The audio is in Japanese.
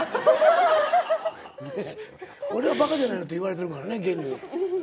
俺はバカじゃないのって言われてるからね現に。